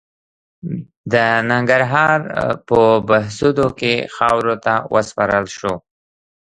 د ننګرهار په بهسودو کې خاورو ته وسپارل شو.